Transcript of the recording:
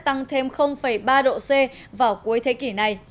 tăng thêm ba độ c vào cuối thế kỷ này